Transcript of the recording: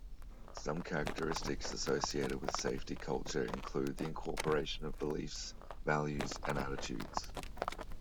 Some characteristics associated with safety culture include the incorporation of beliefs, values and attitudes.